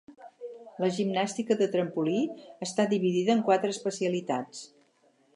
La gimnàstica de trampolí està dividida en quatre especialitats.